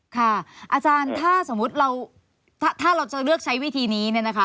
ค่ะอาจารย์ถ้าสมมติเราจะเลือกใช้วิธีนี้